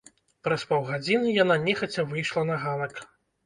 Праз паўгадзіны яна нехаця выйшла на ганак.